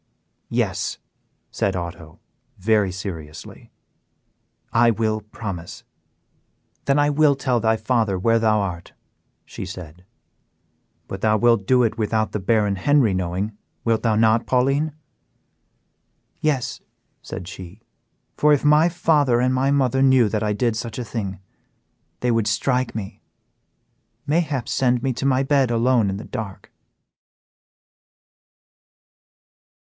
"Yes," said Otto, very seriously, "I will promise." "Then I will tell thy father where thou art," said she. "But thou wilt do it without the Baron Henry knowing, wilt thou not, Pauline?" "Yes," said she, "for if my father and my mother knew that I did such a thing, they would strike me, mayhap send me to my bed alone in the dark."